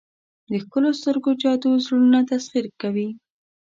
د ښکلو سترګو جادو زړونه تسخیر کوي.